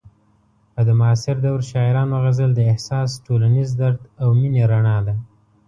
او د معاصر دور شاعرانو غزل د احساس، ټولنیز درد او مینې رڼا ده.